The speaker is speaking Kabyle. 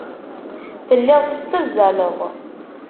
Telliḍ tettazzaleḍ.